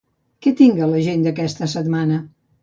Què tinc a l'agenda aquesta setmana?